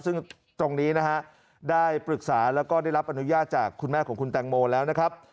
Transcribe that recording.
ซึ่งตรงนี้นะฮะได้ปรึกษาแล้วก็ได้รับอนุญาตจากคุณแม่ของคุณแตงโมแล้วนะครับ